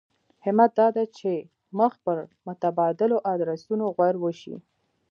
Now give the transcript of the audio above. همت دا دی چې مخ پر متبادلو ادرسونو غور وشي.